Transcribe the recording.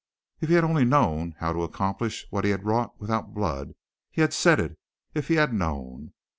If he had known how to accomplish what he had wrought without blood, he had said; if he had known.